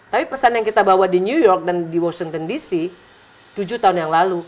tapi pesan yang kita bawa di new york dan di washington dc tujuh tahun yang lalu